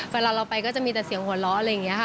เวลาเราไปก็จะมีแต่เสียงหัวเราะอะไรอย่างนี้ค่ะ